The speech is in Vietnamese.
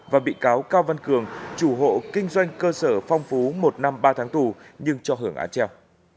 và bị cáo cao văn cường chủ hộ kinh doanh cơ sở phong phú một năm ba tháng tù nhưng cho hưởng án treo